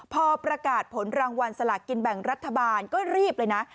พอประกาศผลรางวัลสลากินแบ่งรัฐบาลก็รีบเลยนะ